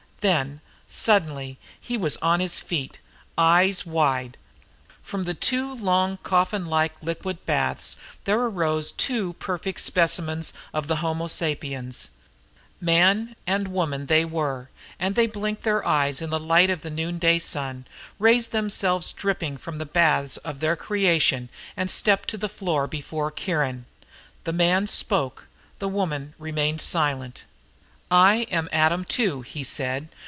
Then, suddenly, he was on his feet, eyes wide. From the two long, coffin like liquid baths, there arose two perfect specimens of the Homo sapiens. Man and woman, they were, and they blinked their eyes in the light of the noonday sun, raised themselves dripping from the baths of their creation and stepped to the floor before Kiron. The man spoke, the woman remained silent. "I am Adam Two," he said.